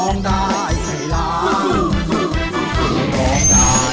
ร้องได้ให้ล้าง